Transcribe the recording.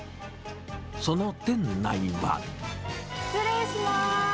その店内は。失礼しまーす。